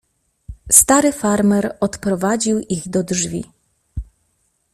"Stary farmer odprowadził ich do drzwi."